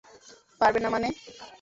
পারবে না মানে?